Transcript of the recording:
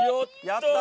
やった！